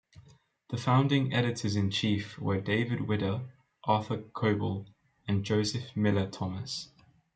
The founding editors-in-chief were David Widder, Arthur Coble, and Joseph Miller Thomas.